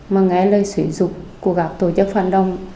mà nghe lời sử dụng của các tổ chức phản đồng